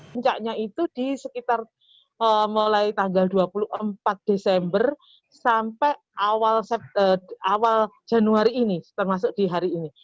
puncaknya itu di sekitar mulai tanggal dua puluh empat desember sampai awal januari ini termasuk di hari ini